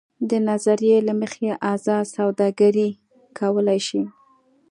دې نظریې له مخې ازاده سوداګري کولای شي.